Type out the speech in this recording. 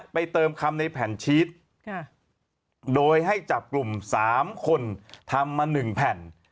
เติมคำในแผ่นชีสโดยให้จับกลุ่ม๓คนทำมา๑แผ่น